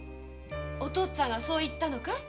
お父っつぁんがそう言ったのかい？